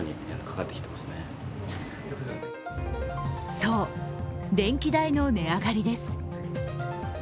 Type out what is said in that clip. そう、電気代の値上がりです。